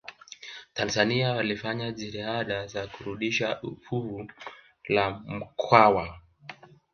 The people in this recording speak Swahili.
tanzania walifanya jitihada za kurudisha fuvu la mkwawa